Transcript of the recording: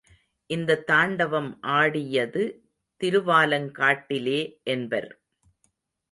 இந்தத் தாண்டவம் ஆடியது திருவாலங்காட்டிலே என்பர்.